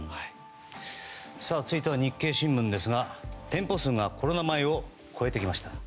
続いて、日経新聞ですが店舗数がコロナ前を超えてきました。